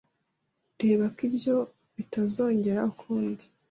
Reba ko ibyo bitazongera ukundi.